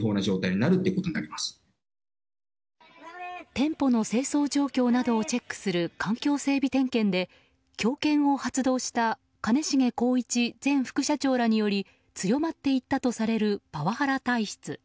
店舗の清掃状況などをチェックする環境整備点検で強権を発動した兼重宏一前副社長らにより強まっていったとされるパワハラ体質。